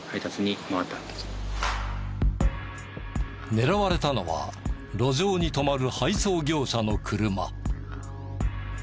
狙われたのは路上に止まる配送業者の車。